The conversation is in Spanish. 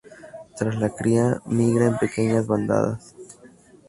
Tras la cría, migra en pequeñas bandadas.